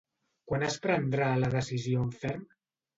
Quan es prendrà la decisió en ferm?